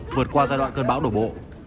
vượt qua giai đoạn cơn bão đổ bộ